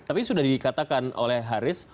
tapi sudah dikatakan oleh haris